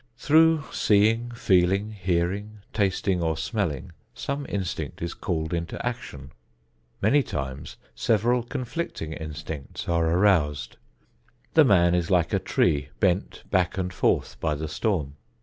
Through seeing, feeling, hearing, tasting or smelling, some instinct is called into action. Many times several conflicting instincts are aroused. The man is like a tree bent back and forth by the storm.